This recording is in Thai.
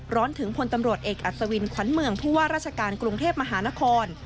ถึงพลตำรวจเอกอัศวินขวัญเมืองผู้ว่าราชการกรุงเทพมหานคร